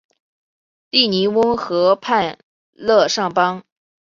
利尼翁河畔勒尚邦。